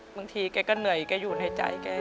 บางทีแกก็เหนื่อยแกอยู่ในใจแก